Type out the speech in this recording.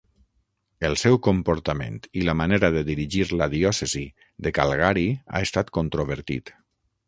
El seu comportament i la manera de dirigir la diòcesi de Calgary ha estat controvertit.